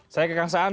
saya ke kang saan